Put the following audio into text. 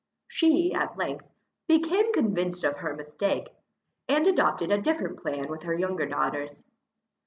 She, at length, became convinced of her mistake, and adopted a different plan with her younger daughters.